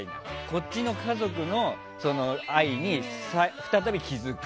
こっちの家族の愛に再び気づく。